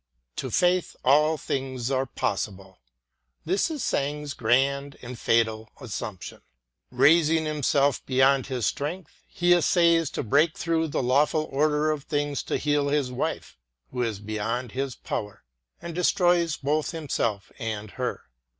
To faith all things are possible. This is Sang 's grand and fatal assumption. Eaising himself be yond his strength, he essays to break through the lawful order of things to heal his wife, who is beyond his power ŌĆö and destroys both himself and her.